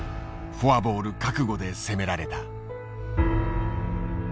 フォアボール覚悟で攻められた。